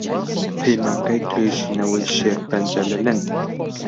پەیمانگای توێژینەوەی شێرپەنجە لە لەندەن